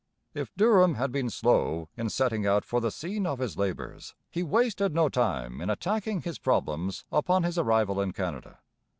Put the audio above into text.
If Durham had been slow in setting out for the scene of his labours, he wasted no time in attacking his problems upon his arrival in Canada.